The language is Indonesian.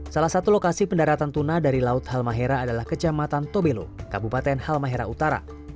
salah satu lokasi pendaratan tuna dari laut halmahera adalah kecamatan tobelo kabupaten halmahera utara